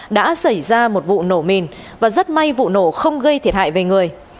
đã xảy ra một vụ nổ mìn và rất may vụ nổ không gây thiệt hại về người